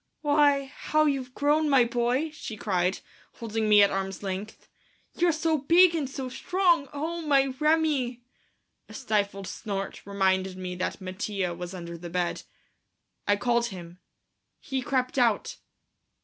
"Why, how you've grown, my boy," she cried, holding me at arms' length, "you're so big and so strong! Oh, my Remi!" A stifled snort reminded me that Mattia was under the bed. I called him. He crept out.